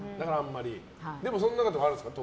でもその中でもあるんですか？